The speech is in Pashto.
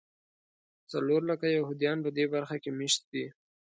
څلور لکه یهودیان په دې برخه کې مېشت دي.